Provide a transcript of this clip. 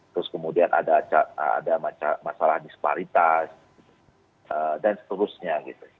terus kemudian ada masalah disparitas dan seterusnya